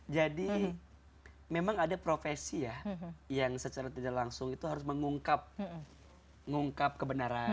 jadi memang ada profesi ya yang secara tidak langsung itu harus mengungkap kebenaran